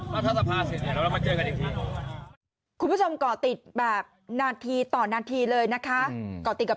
รัฐทรัพยากรไปเป็นหน้าที่ของรัฐทรัพยาไปก่อนครับ